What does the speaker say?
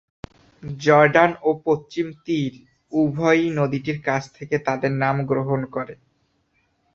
Jordan ও পশ্চিম তীর উভয়ই নদীটির কাছ থেকে তাদের নাম গ্রহণ করে।